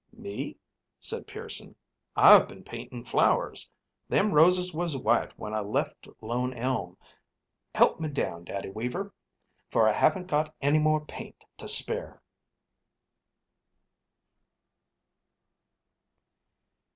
"Me?" said Pearson. "I've been painting flowers. Them roses was white when I left Lone Elm. Help me down, Daddy Weaver, for I haven't got any more paint to spare."